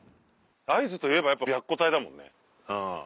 会津といえばやっぱ白虎隊だもんね。